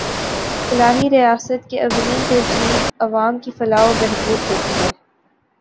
فلاحی ریاست کی اولین ترجیح عوام کی فلاح و بہبود ہوتی ہے۔